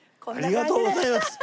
ありがとうございます！